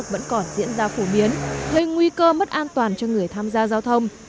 vẫn còn diễn ra phổ biến gây nguy cơ mất an toàn cho người tham gia giao thông